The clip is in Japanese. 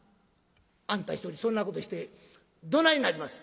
「あんた一人そんなことしてどないなります？」。